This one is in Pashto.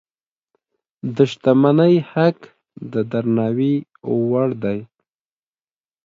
د شتمنۍ حق د درناوي وړ دی.